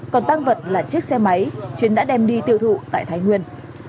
còn tăng vật là chiếc xe máy chiến đã đem đi tiêu thụ tại thái nguyên